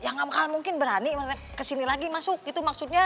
ya gak mungkin berani kesini lagi masuk gitu maksudnya